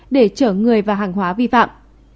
để chở người và hàng hóa vi phạm